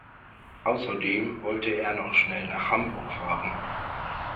Außerdem wollte er noch schnell nach Hamburg fahren